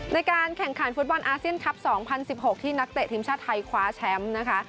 ในการแข่งขันฟุตบอลอาเซียนคลับ๒๐๑๖ที่นักเตะทีมชาติไทยคว้าแชมป์นะคะ